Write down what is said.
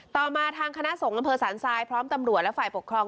ต่อมาทางคณะสงฆ์อำเภอสันทรายพร้อมตำรวจและฝ่ายปกครอง